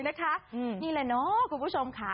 นี่แหละเนาะคุณผู้ชมค่ะ